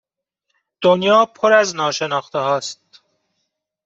دنیا پر از ناشناخته هاست